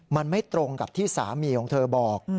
มันไม่ตรงกับที่สามีของเธอบอก